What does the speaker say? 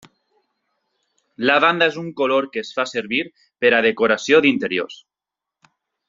Lavanda és un color que es fa servir per a decoració d'interiors.